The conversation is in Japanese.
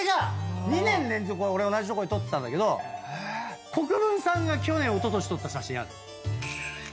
俺同じとこで撮ってたんだけど国分さんが去年おととし撮った写真ある？